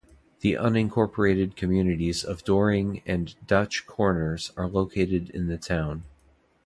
The unincorporated communities of Doering and Dutch Corners are located in the town.